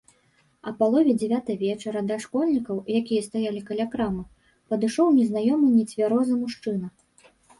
А палове дзявятай вечара да школьнікаў, якія стаялі каля крамы, падышоў незнаёмы нецвярозы мужчына.